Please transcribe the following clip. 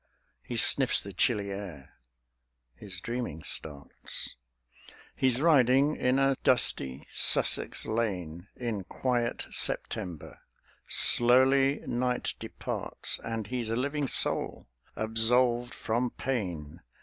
He sniffs the chilly air; (his dreaming starts). He's riding in a dusty Sussex lane In quiet September; slowly night departs; And he's a living soul, absolved from pain.